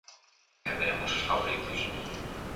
E veremos os favoritos.